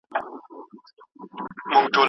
منظم ژوند د سردرد کمولو کې مرسته کوي.